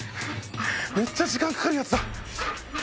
めっちゃ時間かかるやつだ。